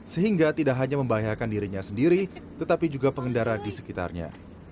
sehingga tidak hanya membahayakan dirinya sendiri tetapi juga pengendara di sekitarnya